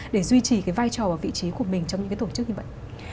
để duy trì vai trò và vị trí của mình trong những tổ chức như vậy